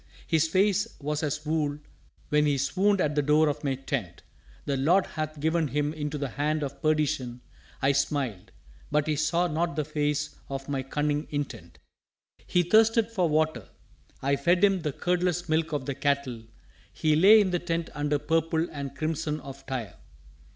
His face was as wool when he swooned at the door of my tent. The Lord hath given him into the hand of perdition, I smiled but he saw not the face of my cunning intent. He thirsted for water: I fed him the curdless milk of the cattle. He lay in the tent under purple and crimson of Tyre.